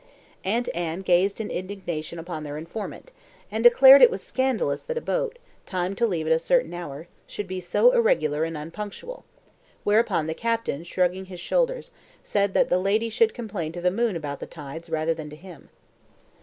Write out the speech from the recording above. Aunt Anne gazed in indignation upon their informant, and declared it was scandalous that a boat, timed to leave at a certain hour, should be so irregular and unpunctual; whereupon the captain, shrugging his shoulders, said that the lady should complain to the moon about the tides rather than to him.